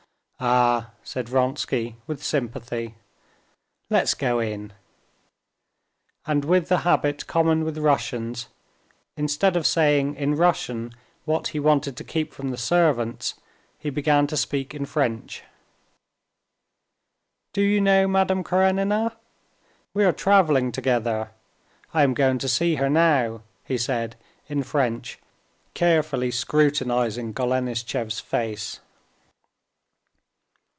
"Ah!" said Vronsky, with sympathy; "let's go in." And with the habit common with Russians, instead of saying in Russian what he wanted to keep from the servants, he began to speak in French. "Do you know Madame Karenina? We are traveling together. I am going to see her now," he said in French, carefully scrutinizing Golenishtchev's face.